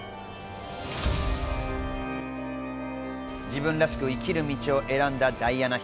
自分らしく生きる道を選んだダイアナ妃。